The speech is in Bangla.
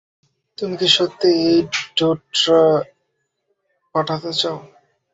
তুমি কি সত্যিই এই ড্রোটা পাঠাতে চাও?